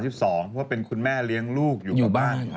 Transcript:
เพราะเป็นคุณแม่เลี้ยงลูกอยู่บ้าน